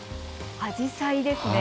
あじさいですね。